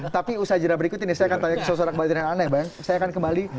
tapi usaha jera berikut ini saya akan tanya suasana kebatinan yang aneh saya akan kembali